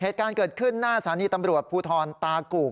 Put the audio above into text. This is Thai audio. เหตุการณ์เกิดขึ้นหน้าสถานีตำรวจภูทรตากู่